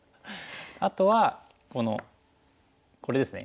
あとはこのこれですね。